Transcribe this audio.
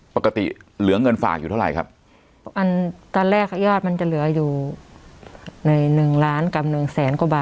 ปกติเหลือเงินฝากอยู่เท่าไหร่ครับ